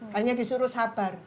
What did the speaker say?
hanya disuruh sabar